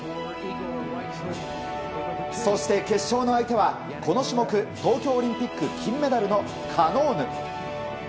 そして、決勝の相手はこの種目東京オリンピック金メダルのカノーヌ。